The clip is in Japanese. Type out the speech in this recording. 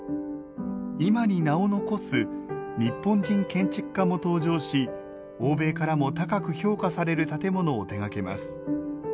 今に名を残す日本人建築家も登場し欧米からも高く評価される建物を手がけます